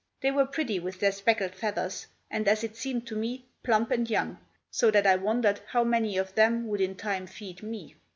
They were pretty with their speckled feathers, and as it seemed to me, plump and young, so that I wondered how many of them would in time feed me.